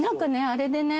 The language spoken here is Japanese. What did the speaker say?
あれでね